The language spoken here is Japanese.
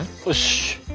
よし。